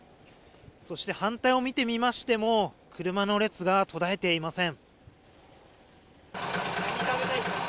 そして反対を見てみましても、車の列が途絶えていません。